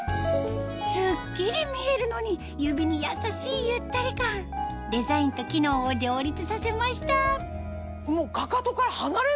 スッキリ見えるのに指に優しいゆったり感デザインと機能を両立させましただって靴が。